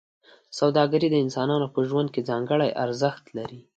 سوداګري د انسانانو په ژوند کې ځانګړی ارزښت لري.